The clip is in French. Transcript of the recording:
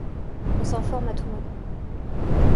On s’informe à Toulon.